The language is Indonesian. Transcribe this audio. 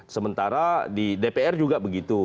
sementara di dpr juga begitu